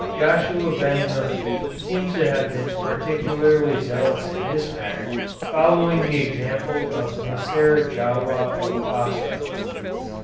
Joshua Ben Nun seems to have been particularly zealous in this matter, following the example of Maser Djawah of Basra.